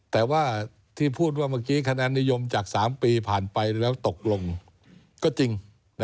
แต่ว่าที่พูดว่าเมื่อกี้คะแนนนิยมจาก๓ปีผ่านไปแล้วตกลงก็จริง